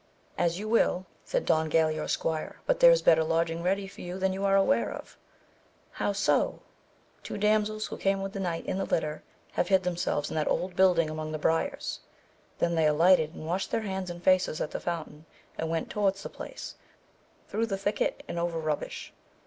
As you will, said Don Galaor's squire, but there is better lodging ready for you than you are aware of. — How so ? Two dam sels who came with the knight in the litter have hid themselves in that old building among the briars. They then alighted and washed their hands and faces at the fountain, and went towards the place, through the thicket and over rubbish.